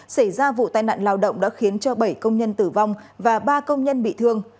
xảy ra vụ tai nạn lao động đã khiến cho bảy công nhân tử vong và ba công nhân bị thương